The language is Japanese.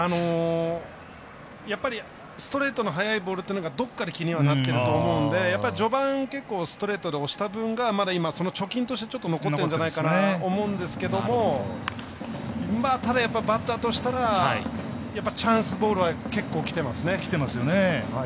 やっぱり、ストレートの速いボールというのがどっかで気になってると思うので序盤、ストレートで押した分まだ今、その貯金としてちょっと残ってるのかなと思うんですけどただ、バッターとしたらチャンスボールは結構きてますね。